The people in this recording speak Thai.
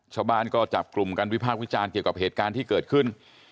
ชาวบ้านก็จับกลุ่มกันวิพากษ์วิจารณ์เกี่ยวกับเหตุการณ์ที่เกิดขึ้น